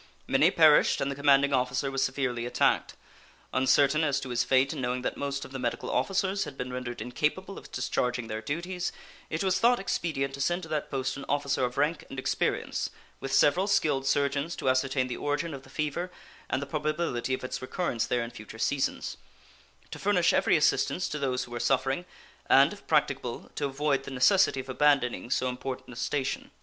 Many perished, and the commanding officer was severely attacked. Uncertain as to his fate and knowing that most of the medical officers had been rendered incapable of discharging their duties, it was thought expedient to send to that post an officer of rank and experience, with several skilled surgeons, to ascertain the origin of the fever and the probability of its recurrence there in future seasons; to furnish every assistance to those who were suffering, and, if practicable, to avoid the necessity of abandoning so important a station.